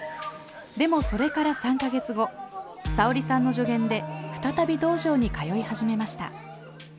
でもそれから３か月後さおりさんの助言で再び道場に通い始めました。